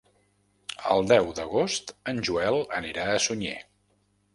El deu d'agost en Joel anirà a Sunyer.